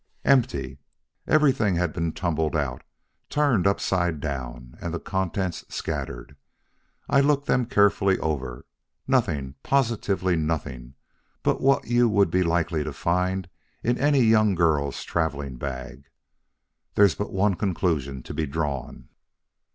"Empty. Everything had been tumbled out turned upside down and the contents scattered. I looked them carefully over. Nothing, positively nothing, but what you would be likely to find in any young girl's traveling bag. There's but one conclusion to be drawn."